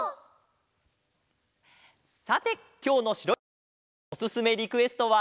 さてきょうのしろやぎさんのおすすめリクエストは。